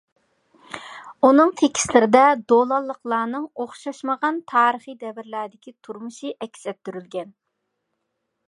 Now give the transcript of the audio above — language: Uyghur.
ئۇنىڭ تېكىستلىرىدە دولانلىقلارنىڭ ئوخشاشمىغان تارىخىي دەۋرلەردىكى تۇرمۇشى ئەكس ئەتتۈرۈلگەن.